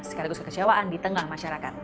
sekaligus kekecewaan di tengah masyarakat